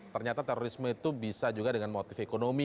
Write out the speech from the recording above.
ternyata terorisme itu bisa juga dengan motif ekonomi